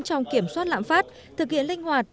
trong kiểm soát lãm phát thực hiện linh hoạt